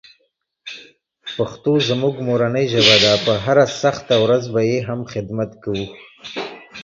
پښتو زموږ مورنۍ ژبه ده، په هره سخته ورځ به یې هم خدمت کوو.